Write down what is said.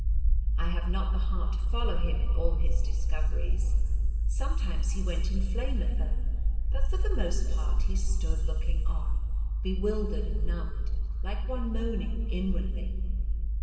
I have not the heart to follow him in all his discoveries. Sometimes he went in flame at them, but for the most part he stood looking on, bewildered and numbed, like one moaning inwardly.